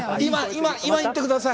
今、今、行ってください！